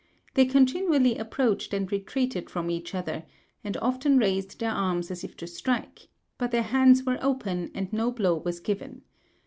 They continually approached and retreated from each other, and often raised their arms as if to strike, but their hands were open, and no blow was given.